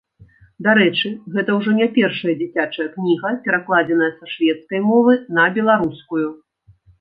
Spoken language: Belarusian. Дарэчы, гэта ўжо не першая дзіцячая кніга, перакладзеная са шведскай мовы на беларускую.